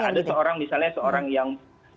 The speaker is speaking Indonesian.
ada seorang misalnya seorang yang